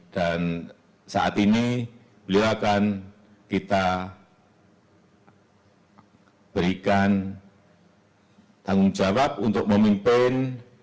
dan saat ini beliau akan kita berikan tanggung jawab untuk memimpin